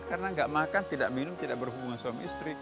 karena tidak makan tidak minum tidak berhubungan suami istri